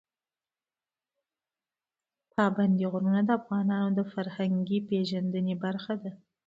پابندی غرونه د افغانانو د فرهنګي پیژندنې برخه ده.